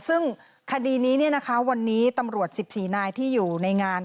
ซึ่งคดีนี้วันนี้ตำรวจ๑๔นายที่อยู่ในงาน